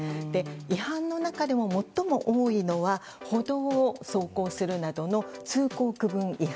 違反の中でも最も重いのは歩道を走行するなどの通行区分違反。